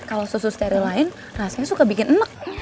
kalau susu steril lain rasanya suka bikin enak